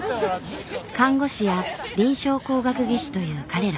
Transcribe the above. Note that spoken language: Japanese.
看護師や臨床工学技士という彼ら。